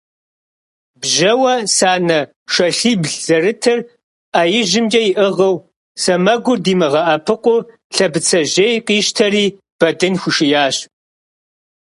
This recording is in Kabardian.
Бжьэуэ санэ шалъибл зэрытыр Ӏэ ижьымкӀэ иӀыгъыу, сэмэгур димыгъэӀэпыкъуу Лъэбыцэжьей къищтэри Бэдын хуишиящ.